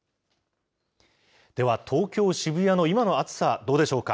では、東京・渋谷の今の暑さ、どうでしょうか。